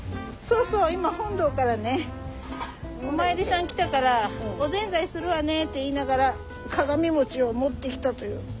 そうそう今本堂からねお参りさん来たから「おぜんざいするわね」って言いながら鏡餅を持ってきたという。